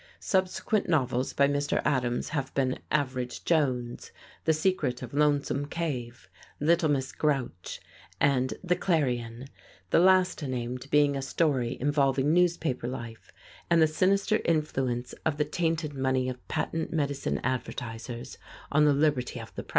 Subsequent novels by Mr. Adams have been "Average Jones," "The Secret of Lonesome Cave," "Little Miss Grouch," and "The Clarion," the last named being a story involving newspaper life and the sinister influence of the tainted money of patent medicine advertisers on the liberty of the press.